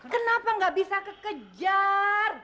kenapa nggak bisa kekejar